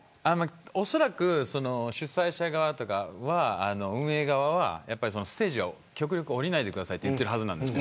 おそらく主催者側というか運営側はステージから極力降りないでくださいと言ってるはずなんです。